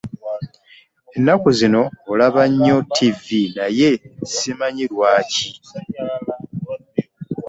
Ennaku zino olaba nnyo ttivi naye simanyi lwaki?